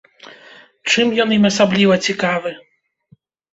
Чым ён ім асабліва цікавы?